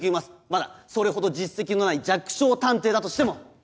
まだそれほど実績のない弱小探偵だとしても！